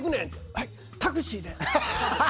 はい、タクシーで。